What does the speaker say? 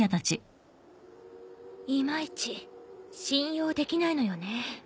いまいち信用できないのよね。